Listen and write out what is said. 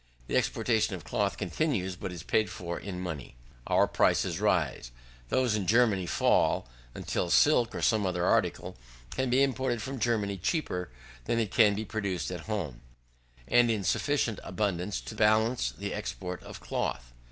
The exportation of cloth continues, but is paid for in money. Our prices rise, those in Germany fall, until silk, or some other article, can be imported from Germany cheaper than it can be produced at home, and in sufficient abundance to balance the export of cloth.